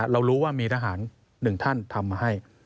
เรารู้ว่ามีทหารหนึ่งท่านทำมาให้